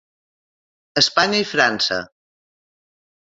Espanya i França.